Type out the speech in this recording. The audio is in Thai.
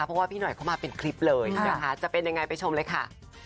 เพราะว่าพี่หน่อยเข้ามาเป็นคลิปเลยนะคะจะเป็นยังไงไปชมเลยค่ะ